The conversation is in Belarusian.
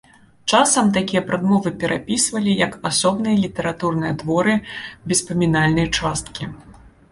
Часам такія прадмовы перапісвалі як асобныя літаратурныя творы без памінальнай часткі.